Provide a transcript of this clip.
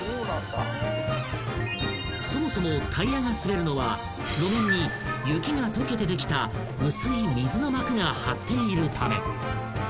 ［そもそもタイヤが滑るのは路面に雪がとけてできた薄い水の膜が張っているため］